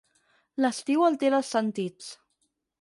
L'estiu altera els sentits.